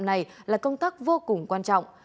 này là công tác vô cùng quan trọng